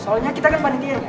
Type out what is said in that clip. soalnya kita kan panitian ya